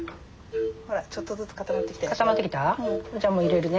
ほらちょっとずつ固まってきたやろ。